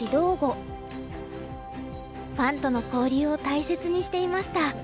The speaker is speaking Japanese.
ファンとの交流を大切にしていました。